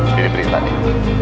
diri berita nih